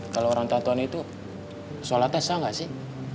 kalo orang tatoan itu sholatnya sah gak sih